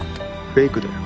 フェイクだよ。